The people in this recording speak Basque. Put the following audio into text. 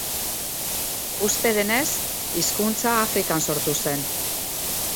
Uste denez, hizkuntza Afrikan sortu zen.